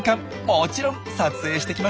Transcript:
もちろん撮影してきましたよ。